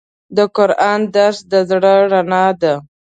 د قرآن درس د زړه رڼا ده.